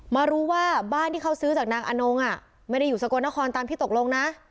มารู้ว่าบ้านที่เขาซื้อจากนางอนงไม่ได้อยู่สกลนครตามที่ตกลงนะ